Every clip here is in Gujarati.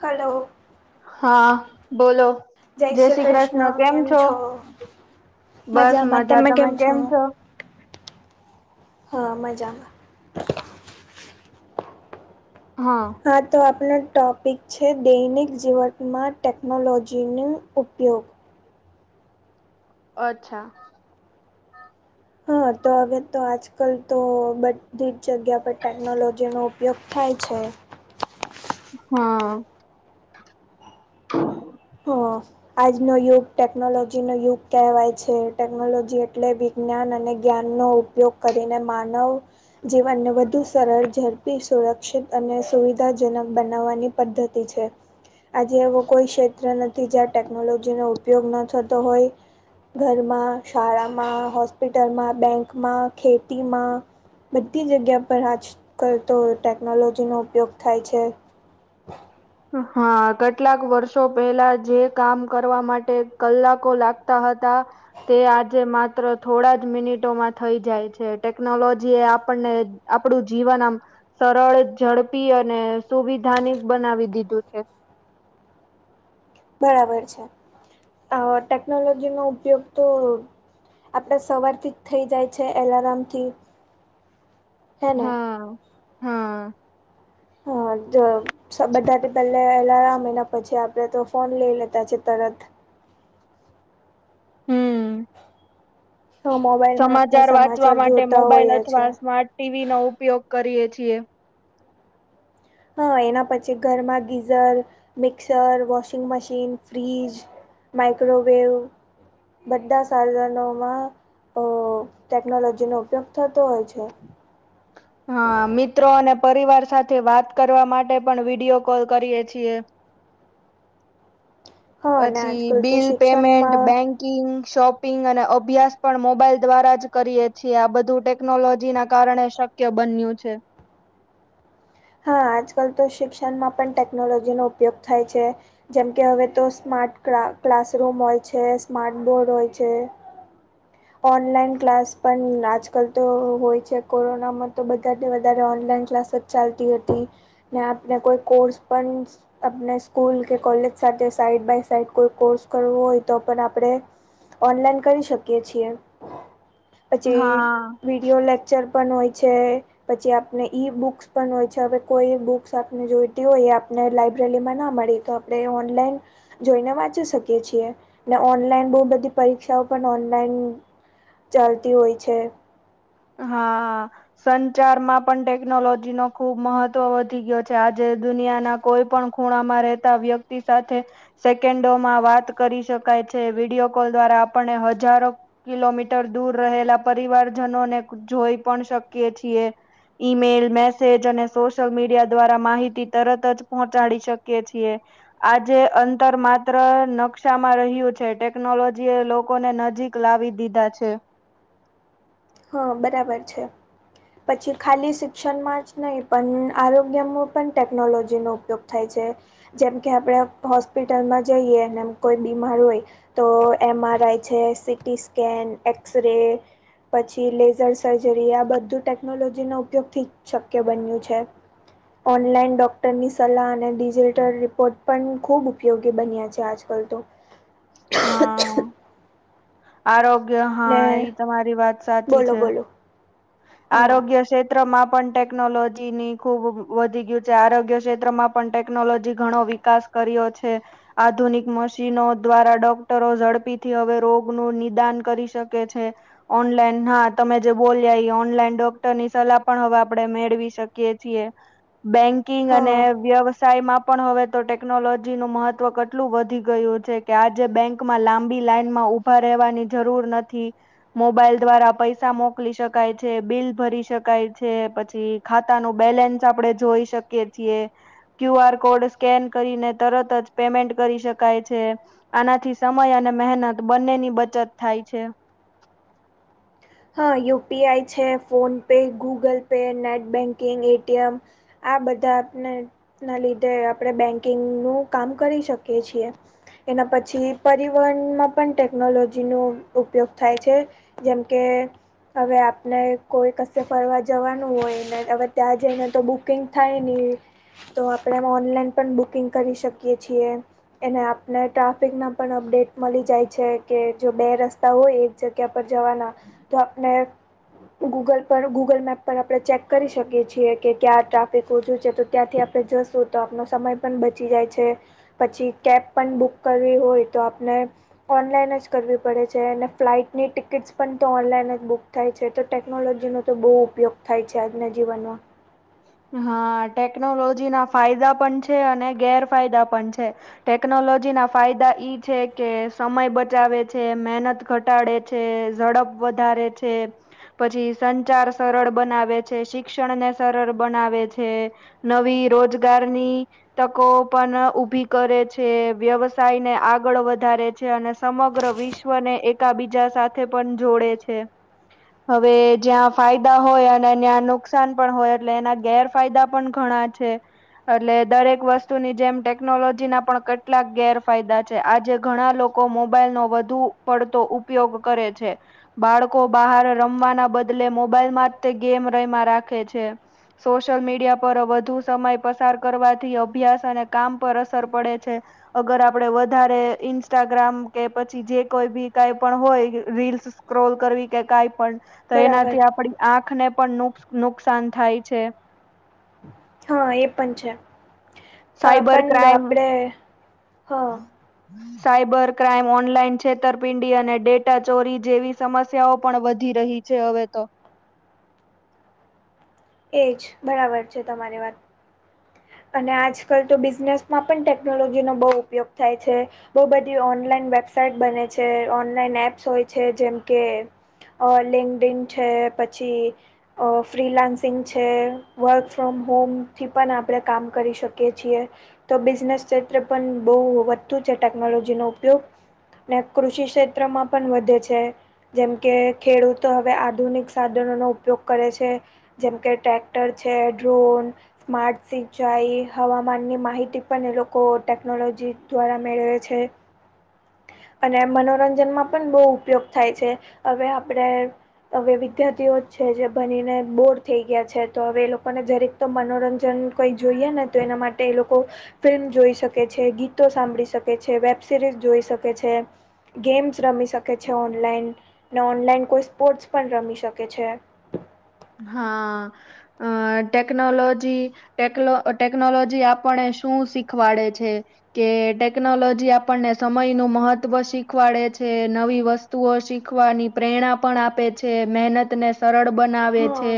હલો. હા બોલો. જય શ્રી કૃષ્ણ કેમ છો બસ મજા તમે કેમ છો. હા મજામાં. હા. હા તો આપના ટોપિક છે દૈનિક જીવનમાં ટેકનોલોજીનો ઉપયોગ. અચ્છા. હા તો હવે તો આજકાલ તો બધી જ જગ્યા પર ટેકનોલોજીનો ઉપયોગ થાય છે. હા. હ આજનો યુગ ટેકનોલોજી નો યુગ કહેવાય છે ટેકનોલોજી એટલે બી જ્ઞાન અને જ્ઞાનનો ઉપયોગ કરીને માનવ જીવનને વધુ સરળ ઝડપી સુરક્ષિત અને સુવિધાજનક બનાવવાની પદ્ધતિ છે આજેવો કોઈ કે ત્ર નથી જ્યાં ટેકનોલોજીનો ઉપયોગ ન થતો હોય ઘરમાં શાળામાં હોસ્પિટલમાં બેંકમાં ખેતીમાં બધી જગ્યા પર આજકાલ તો ટેકનોલોજીનો ઉપયોગ થાય છે. હા કેટલાક વર્ષો પહેલા જે કામ કરવા માટે કલાકો લાગતા હતા તે આજે માત્ર થોડા જ મિનિટોમાં થઈ જાય છે ટેકનોલોજી એ આપણને આપડું જીવન આમ સરળ ઝડપી અને સુવિધાાનિક બનાવી દીધું છે. બરાબર છે ટેકનોલોજી નો ઉપયોગ તો આપણા સવારથી થઇ જાય છે એલાર્મ થી. હા હા. હા બધા પહેલા એટલે એલાર મહિના પછી આપડણે તો ફોન લઈ લેતા છે તરત હમ હ મોબાઈલ સમાચાર વાંચવા માટે મોબાઈલ છે અથવા સ્માર્ટ ટીવી નો ઉપયોગ કરીએ છીએ. હા એના પછી ઘરમાં geyser mixer washing machine fridge microwave બધા સાધનોમાં ટેકનોલોજીનો ઉપયોગ થતો હોય છે. હા મિત્રો અને પરિવાર સાથે વાત કરવા માટે પણ વિડીયો કોલ કરીએ છીએ. હા અને પછી આજકાલ તો બિલ પેમેન્ટ શિક્ષણમાં બેંક કિંગ શોપિંગ અને અભ્યાસ પણ મોબાઈલ દ્વારા જ કરીએ છીએ આ બધું ટેક ટેકનોલોજી ના કારણે શક્ય બન્યું છે. હા આજકાલ તો શિક્ષણમાં પણ ટેકનોલોજીનોો ઉપયોગ થાય છે. જેમકે હવે તો સ્માર્ટ ક્લાસરૂમ હોય છે સ્માર્ટ બોર્ડ હોય છે ઓનલાઈન ક્લાસ પણ આજકાલ તો હોય છે કોરોનામાં તો બધાને વધારે ઓનલાઈન ક્લાસ ચાલતી હતી ને આપને કોઈ કોર્સ પણ આપને સ્કૂલ કે કોલેજ સાથે સાઈડ બાય સાઈડ કોઈ કોર્સ કરવો હોય તો પણ આપડણે ઓનલાઈન કરી શકીએ છીએ પછી હા વિડીયો લેક્ચર પણ હોય છે. પછી આપને ઈ બુક્સ પણ હોય છે હવે કોઈ બુક્સ આપને જોઈતી હોય એ આપને લાઈબ્રેરીમાં ના મળી તો આપણે ઓનલાઈન. જોઈને વાંચી શકીએ છીએ, ને ઓનલાઈન બહુ બધી પરીક્ષાઓ પણ ઓનલાઈન. ચાલતી હોય છે, હા. [inaudible] સંચારમાં પણ ટેકનોલોજીનો ખુબ મહત્વ વધી ગયો છે, આજે દુનિયાના. કોઈપણ ખૂણામાં રહેતા વ્યક્તિ સાથે. સેકન્ડોમાં વાત કરી શકાય છે, વિડીયો કોલ દ્વારા આપણને હજારો. કિલોમીટર દૂર રહેલા પરિવારજનોને જોઈ પણ શકીએ છીએ. ઈમેલ મેસેજ અને સોશિયલમીડિયા દ્વારા માહિતી તરત જ પહોંચાડી શકીએ છીએ. આજે અંતર માત્ર નકશામાં રહ્યું છે, ટેકનોલોજી એ લોકોને નજીક. મોકલાવી દીધા છે. હા બરાબર છે, પછી ખાલી શિક્ષણમાં જ નહીં પણ આરોગ્યમાં પણ ટેકનોલોજીનો ઉપયોગ થાય છે, જેમ કે, આપણેે હોસ્પિટલમાં જઈએ અને કોઈ બીમાર હોય. તો એમ, આર, આઈ છે, સીટી સ્કેન એક્સ -રે પછી લેઝર સર્જરી આ બધું ટેકનોલોજી નો ઉપયોગથી શક્ય બન્યું છે. ઓનલાઈન ડૉક્ટરની સલાહ અને ડિજિટલ રિપોર્ટ પણ ખૂબ ઉપયોગી બન્યા છે, આજકાલ તો હ [inaudible] હા, આરોગ્ય હા એ ને તમારી વાત સાચી બોલો છે, બોલો હા આરોગ્ય મુખ્યક્ષેત્રમાં પણ ટેકનોલોજી ની ખૂબ વધી ગયું છે, આરોગ્ય ક્ષેત્રમાં પણ ટેકનોલોજી ઘણો વિકાસ કર્યો છે. આધુનિક મશીનો દ્વારા ડોક્ટરો ઝડપીથી હવે રોગનું નિદાન કરી શકે છે. ઓનલાઈન હા તમેજે બોલો. ઓનલાઈન ડોક્ટરની સલાહ પણ હવે આપડે મેળવી શકીએ છીએ. બેકિંગ અને હા. વ્યવસ્થા. સાયમાં પણ હવેતો ટેકનોલોજીનું મહત્વ કેટલું વધી ગયું છે, કે આજે બેંક. માં લાંબી લાઈનમાં ઉભા રહેવાની જરૂર નથી, મોબાઈલ દ્વારા પૈસા મોકલી શકે. શકાય છે, બિલ ભરી શકાય છે, પછી ખાતાનું બેલેન્સ આપડે જોઈ શકીએ છીએ. ક્યુઆરકોડ સ્કેન કરીને તરત જ પેમેન્ટ કરી શકાય છે, આનાથી સમય અને મહેનત બંનેની બચત થાય છે, હા યુપીઆઈ છે, PhonePe, Google Pay, net banking ATM. આ બધાનેના લીધે આપણે બેન્કિંગનું કામ કરી શકીએ છીએ. એના પછી પરિવહનમાં પણ ટેકનોલોજીનો ઉપયોગ થાય છે, જેમ કે. હવે આપને કોઈ કશે ફરવા જવાનું હોયને હવે ત્યાં જઈને તો બુકિંગ થાયને. તો આપણે એમાં ઓનલાઈન પણ બુકિંગ કરી શકીએ છીએ. એને આપને ટ્રાફિકના પણ અપડેટ મળી જાય છે, કે જો બે રસ્તા હોય એ. જગ્યા પર જવાના તો આપણે, ગૂગલ પર ગૂગલ મેપ પર આપણે ચેક કરી શકીએ છીએ, કે ક્યાં ટ્રાફિક ઓછું છે, તો ત્યાંથી આપણે જશું તો આપનો સમય પણ બચી જાય છે, પછી કેબ પણ બુક કરવી હોય તો આપણે, ઓનલાઈન જ કરવી પડે છે, અને ફ્લાઇટની ટિકિટ્સ પણ. તો ઓનલાઈન જ બુક થાય છે, તો ટેકનોલોજીનો તો બહુ ઉપયોગ થાય છે, આજના જીવનમાં હા ટેકનોલોજીના ફાયદા પણ છે, અને ગેરફાયદા પણ છે. ટેકનોલોજીના ફાયદા ઈ છે, કે સમય બચાવે છે, મહેનત ઘટાડે છે, ઝડપ વધારે છે. પછી સંચાર સરળ બનાવે છે, શિક્ષણ ને સરળ બનાવે છે. નવી રોજગારની, તકો પણ ઊભી કરે છે, વ્યવસાય ને આગળ વધારે છે, અને સમગ્ર વિશ્વ. ને એકાબીજા સાથે પણ જોડે છે હવે જ્યાં ફાયદા હોય અને ત્યાં નુકસાન પણ હોય એટલે એના ગેરફાયદા પણ ઘણા છે એટલે દરેક વસ્તુની જેમ ટેકનોલોજી ના પણ કેટલાક ગેરફાયદા છે આજે ઘણા લોકો લોકો મોબાઈલ નો વધુ પડતો ઉપયોગ કરે છે બાળકો બહાર રમવાના બદલે મોબાઈલ માં જ તે ગેમ રહીમાં રાખે છે સોશિયલ મીડિયા પર વધુ સમય પસાર કરવાથી અભ્યાસ અને કામ પર અસર પડે છે અગર આપડે વધારે ઇન્સ્ટાગ્રામ કે પછી જે કોઈ બી કઈ પણ હોય રીલ્સ સ્ક્રોલ કરવી કે કઈ પણ તો બરાબર એનાથી આપડી આંખને પણ નુ નુકસાન થાય છે હા એ પણ છે સાયબર પણ ક્રાઈમ આપણે હા હમ સાયબર ક્રાઇમ ઓનલાઈન છેતરપિંડી અને ડેટા ચોરી જેવી સમસ્યાઓ પણ વધી રહી છે છે હવે તો એજ બરાબર છે તમારી વાત અને આજકાલ તો બિઝનેસમાં પણ ટેકનોલોજીનો બહુ ઉપયોગ થાય છે બહુ બધી ઓનલાઈન વેબસાાઈટ બને છે ઓનલાઈન એપ્સ હોય છે જેમકે અ લેંગડન છે પછી ફ્રીલાન્સ સિંગ છે વર્ક ફ્રોમ હોમથી પણ આપણે કામ કરી શકીએ છીએ તો બિઝનેસ ક્ષેત્રે પણ બહુ વધતુ છે ટેકનોલોજીનોો ઉપયોગ ને કૃષિ ક્ષેત્રમાં પણ વધે છે જેમ કે ખેડૂતો હવે આધુનિક સાધનો નો ઉપયોગ કરે છે જેમકે ટ્રેક્ટર છે ડ્રોન સ્માર્ટ સી જાય હવામાનની માહિતી પણ એ લોકો ટેકનોલોજી દ્વારા મેળવે છે અને મનોરંજનમાં પણ બહુ ઉપયોગ થાય છે હવે આપણે હવે વિદ્યાર્થીઓ જ છે જે ભનીને બોર થઈ ગયા છે તો હવે એ લોકોને જરીક તો મનોરંજન કંઈ જોઈએ ને તો એના માટે એ લોકો ફિલ્મ જોઈ શકે છે ગીતો સાંભળી શકે છે વેબ સિરીઝ જોઈ શકે છે ગેમ્સ રમી શકે છે ઓનલાઈન ને ઓનલાઈન કોઈ સ્પોર્ટ્સ પણ રમી શકે છે હા અ ટેકનોલોજી ટેકનો ટેકનોલોજી આપણને શું શીખવાડે છે કે ટેકનોલોજી આપણને સમય નું મહત્વ શીખવાડે છે નવી વસ્તુ વસ્તુઓ શીખવાની પ્રેરણા પણ આપે છે મહેનત ને સરળ બનાવે હા છે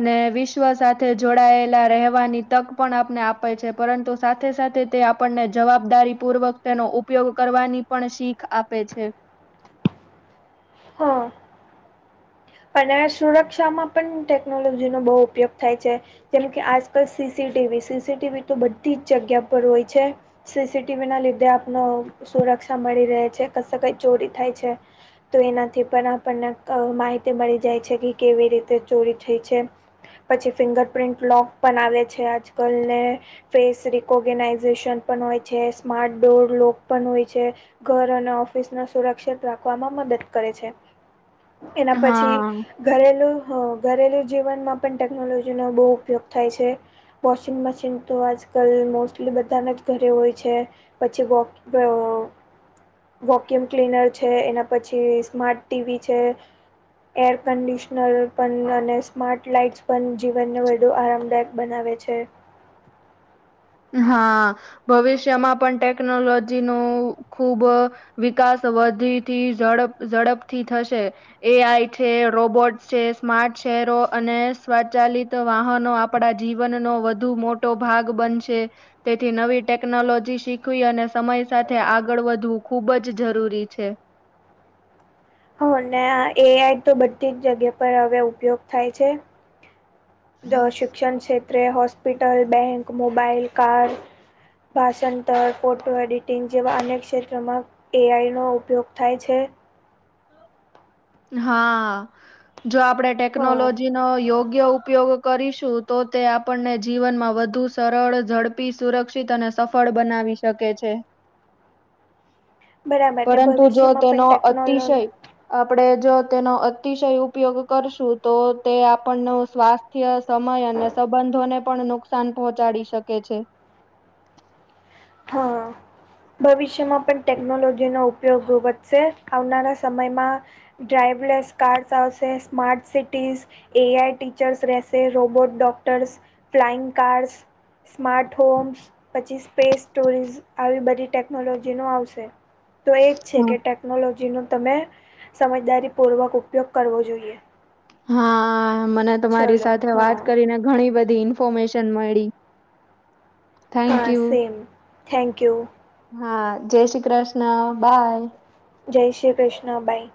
અને વિશ્વ સાથે જોડાયેલા રહેવાની તક પણ આપને આપે છે પરંતુ સાથે સાથે તે આપણને જવાબદારી પૂર્વક તેનો ઉપયોગ કરવાની પણ શીખ આપે છે હા અને સુરક્ષામાં પણ ટેકનોલોજીનોો બહુ ઉપયોગ થાય છે જેમ કે આજકાલ સીસીટીવી સીસીટીવી તો બધી જ જગ્યા પર હોય છે સીસીટીવી ના લીધે આપનો સુરક્ષા મળી રહે છે કશે કઈ ચોરી થાય છે તો એનાથી પણ આપણને માહિતી મળી જાય છે કે કેવી રીતે ચોરી થઈ છે પછી ફિંગર પ્ર્રિન્ટ લોગ પણ આવે છે આજ કલ ને ફેસ રકોર્ગેનાઈઝેશન પણ હોય છે સ્માર્ટ ડો લોક પણ હોય છે ઘર અને ઓફિસ ન સુરક્ષિત રાખવામાં મદદ કરે છે એના પછી હા ઘરેલું ઘરેલુ જીવનમાં પણ ટેકનોલોજીનો બહુ ઉપયોગ થાય છે વોશિંગ મશીન તો આજકાલ મોસ્ટલી બધાના જ ઘરે હોય છે પછી વોક વોક્યુમ ક્લીનર છે એના પછી સ્માર્ટ ટીવી છે એર કન્ડિશનર પણ અને સ્માર્ટ લાઇટ્સ પણ જીવનને વધુ આરામદાયક બનાવે છે હા ભવિષ્યમાં પણ ટેકનોલોજી ન ખૂબ વિકાસ વધીથી ઝડપ ઝડપથી થશે એ આઈ છે રોબોટ છે સ્માર્ટ શહેરો અને સ્વચાલિત તો વાહનો આપડા જીવનનોો વધુ મોટો ભાગ બનશે તેથી નવી ટેકનોલોજી શીખવી અને સમય સાથે આગળ વધવું ખૂબ જ જરૂરી છે હ ને એ આઈ તો બધી જ જગ્યા પર હવે ઉપયોગ થાય છે શિક્ષણ ક્ષેત્રે હોસ્પિટલ બેંક મોબાઈલ કાર ભાષાંતર ફોટો એડિટિંગ જેવા અ અને્યક ક્ષેત્રોમાં એ આઈનોો ઉપયોગ થાય છે હા જો આપડે હા ટેકનોલોજી નો યોગ્ય ઉપયોગ કરીશું તો તે આપણને જીવનમાં વધુ સરળ ઝડપી સુરક્ષિત અને સફળ બનાવીશ શકે છે બરાબર ને પરંતુ જો ભવિષ્યમાં પણ તેનો ટેકનોલો અતિશય આપણે જો તેનો અતિશય ઉપયોગ કરશું તો તે આપણ ન સ્વાસ્થ સમય અને સંબંધોને પણ નુકસાન પહોંચાડી શકે છે હા ભવિષ્યમાં પણ ટેકનોલોજીનોો ઉપયોગ વધશે આવનારા સમયમાં ડ્રાઈવલેસ કાર્સ હાસે smart cities A I teachers રહેશે robot doctors flying cars smart homes પછી સ્પેસ સ્ટોરિઝ આવી બધી ટેકનોલોજી નો આવશે તો એ છે ટેકનોલોજીનો તમે સમજદારીપૂર્વક ઉપયોગ કરવો જોઈએ હા મને તમારી ચલો સાથે વાત હા કરીને ઘણી બધી ઇન્ફોર્મેશન મળી થેન્ક હા યુ. સેમ થેન્ક યુ હા જય શ્રી કૃષ્ણ બાય જય શ્રી કૃષ્ણભાઈ